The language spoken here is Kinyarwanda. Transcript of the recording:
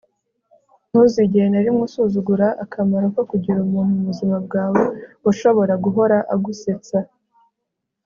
ntuzigere na rimwe usuzugura akamaro ko kugira umuntu mu buzima bwawe ushobora guhora agusetsa